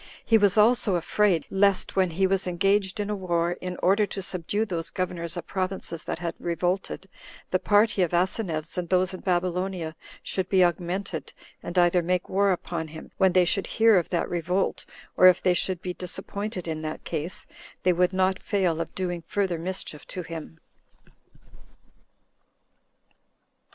He was also afraid, lest when he was engaged in a war, in order to subdue those governors of provinces that had revolted, the party of Asineus, and those in Babylonia, should be augmented, and either make war upon him, when they should hear of that revolt, or if they should be disappointed in that case, they would not fail of doing further mischief to him.